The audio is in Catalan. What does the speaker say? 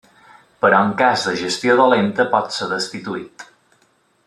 Però en cas de gestió dolenta pot ser destituït.